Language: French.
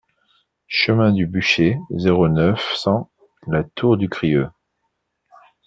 Chemin du Bûcher, zéro neuf, cent La Tour-du-Crieu